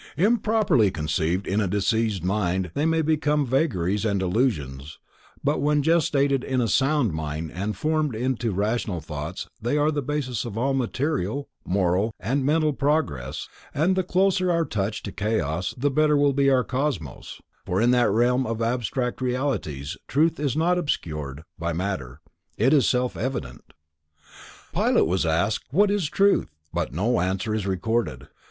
Improperly conceived in a diseased mind they become vagaries and delusions, but when gestated in a sound mind and formed into rational thoughts they are the basis of all material, moral and mental progress, and the closer our touch with Chaos, the better will be our Cosmos, for in that realm of abstract realities truth is not obscured by matter, it is self evident. Pilate was asked "what is Truth," but no answer is recorded.